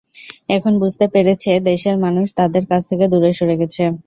এখন বুঝতে পেরেছে দেশের মানুষ তাদের কাছ থেকে দূরে সরে গেছে।